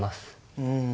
うん。